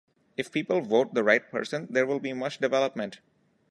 If people vote the right person there will be much development.